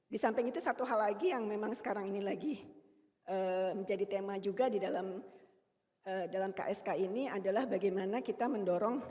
di samping itu satu hal lagi yang memang sekarang ini lagi menjadi tema juga di dalam ksk ini adalah bagaimana kita mendorong